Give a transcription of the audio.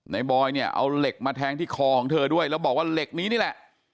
บอยเนี่ยเอาเหล็กมาแทงที่คอของเธอด้วยแล้วบอกว่าเหล็กนี้นี่แหละ